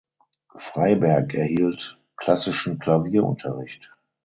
Freiberg erhielt klassischen Klavierunterricht.